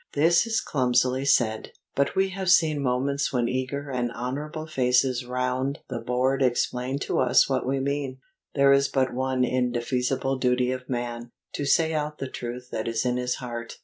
This is clumsily said: but we have seen moments when eager and honourable faces round the board explained to us what we mean. There is but one indefeasible duty of man, to say out the truth that is in his heart.